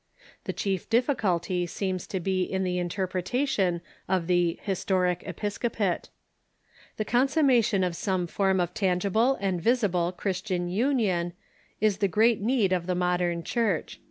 The chief difficulty seems to be in the interpretation of the " historic episcopate." The con summation of some form of tangible and visible Christian union is the great need of the Modern Church.